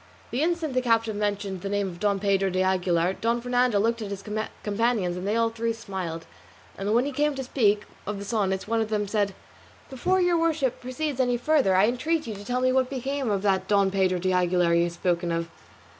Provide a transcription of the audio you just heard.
The instant the captive mentioned the name of Don Pedro de Aguilar, Don Fernando looked at his companions and they all three smiled; and when he came to speak of the sonnets one of them said, "Before your worship proceeds any further I entreat you to tell me what became of that Don Pedro de Aguilar you have spoken of."